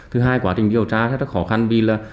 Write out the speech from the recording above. thứ hai quá trình điều tra rất khó khăn vì là